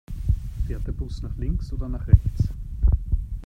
Fährt der Bus nach links oder nach rechts?